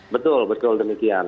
betul betul demikian